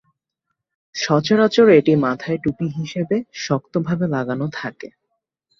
সচরাচর এটি মাথায় টুপি হিসেবে শক্তভাবে লাগানো থাকে।